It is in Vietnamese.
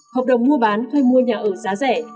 hợp đồng mua bán thuê mua nhà ở giá rẻ